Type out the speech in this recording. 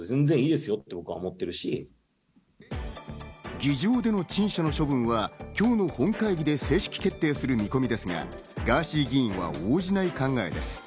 議場での陳謝での処分は今日の本会議で正式決定する見込みですが、ガーシー議員は応じない考えです。